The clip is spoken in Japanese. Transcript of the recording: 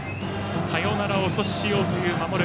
サヨナラを阻止しようという守る